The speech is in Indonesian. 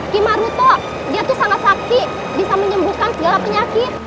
kimaruto dia tuh sangat sakti bisa menyembuhkan segala penyakit